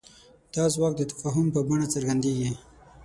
دا ځواک د تفاهم په بڼه څرګندېږي.